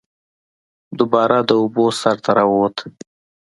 دوباره د اوبو سر ته راووت